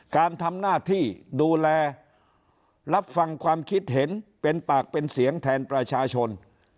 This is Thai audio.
การทำหน้าที่ดูแลรับฟังความคิดเห็นเป็นปากเป็นเสียงแทนประชาชน